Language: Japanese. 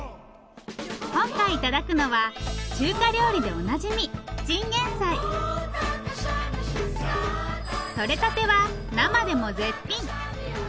今回頂くのは中華料理でおなじみとれたては生でも絶品！